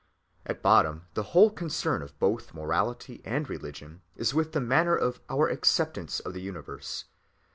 At bottom the whole concern of both morality and religion is with the manner of our acceptance of the universe.